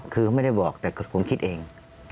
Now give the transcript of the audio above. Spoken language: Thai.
คือไม่ได้บอกแต่ผมคิดเอง